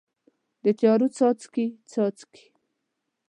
د تیارو څاڅکي، څاڅي